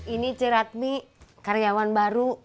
ini c ratmi karyawan baru